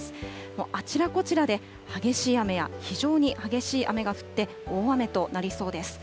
もうあちらこちらで、激しい雨や非常に激しい雨が降って、大雨となりそうです。